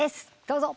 どうぞ。